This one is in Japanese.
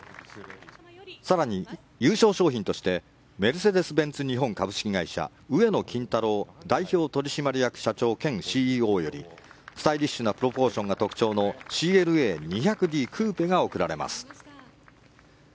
更に、優勝商品としてメルセデス・ベンツ日本株式会社上野金太郎代表取締役社長兼ＣＥＯよりスタイリッシュなプロポーションが特徴のＣＬＡ２００ｄクーペが贈られます。